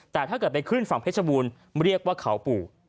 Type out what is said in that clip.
แต่ถ้าเกิดไปขึ้นฝั่งเพชรบูรณ์เรียกว่าเขาปู่